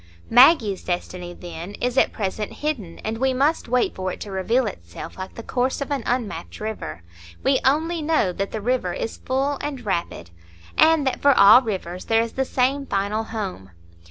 Maggie's destiny, then, is at present hidden, and we must wait for it to reveal itself like the course of an unmapped river; we only know that the river is full and rapid, and that for all rivers there is the same final home.